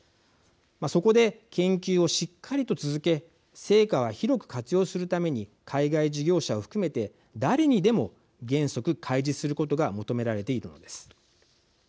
そこで、研究をしっかりと続け成果は広く活用するために海外事業者を含めて誰にでも原則開示することが求められているのです。